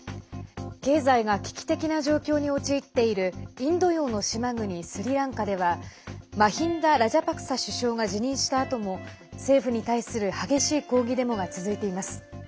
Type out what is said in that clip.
経済が危機的な状況に陥っているインド洋の島国スリランカではマヒンダ・ラジャパクサ首相が辞任したあとも政府に対する激しい抗議デモが続いています。